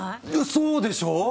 そうでしょう？